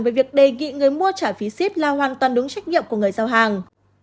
về việc đề nghị người mua trả phí ship là hoàn toàn đúng trách nhiệm của người giao hàng